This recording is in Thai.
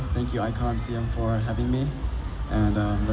สงยังแบดแซดยังบอย